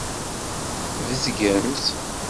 Tbezgemt.